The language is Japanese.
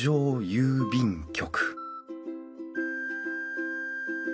郵便局！？